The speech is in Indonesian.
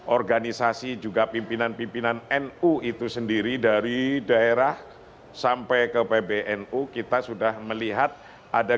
organisasi juga pimpinan pimpinan nu itu sendiri dari daerah sampai ke pbnu kita sudah melihat ada